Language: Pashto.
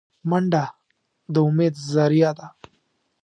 منډه د امید ذریعه ده